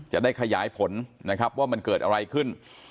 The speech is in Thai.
จะได้ขยายผลนะครับว่ามันเกิดอะไรขึ้น